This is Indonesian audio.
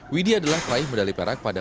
widia adalah praih medali perak pada